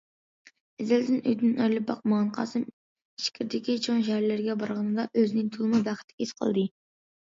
ئەزەلدىن ئۆيىدىن ئايرىلىپ باقمىغان قاسىم ئىچكىرىدىكى چوڭ شەھەرلەرگە بارغىنىدا ئۆزىنى تولىمۇ بەختلىك ھېس قىلدى.